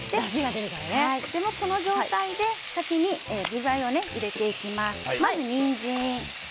この状態で具材を入れていきます。